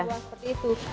asal buang seperti itu